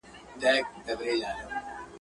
o بد ياران په بده ورځ په کارېږي